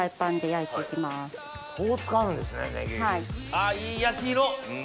あいい焼き色！